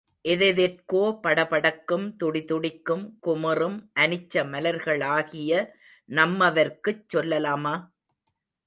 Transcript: எதெதற்கோ படபடக்கும், துடிதுடிக்கும், குமுறும், அனிச்ச மலர்களாகிய நம்மவர்க்குச் சொல்லலாமா?